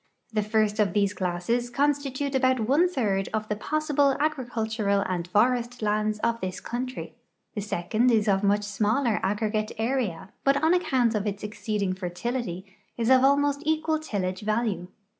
The first of these classes constitute about one third of the possible agricultural and forestlands of this country ; the second is of much smaller aggregate area, but on account of its e.xceeding fertility is of almost equal tillage value.